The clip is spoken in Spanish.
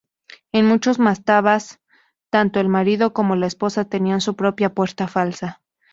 En muchos mastabas, tanto el marido como la esposa tenían su propia puerta falsa.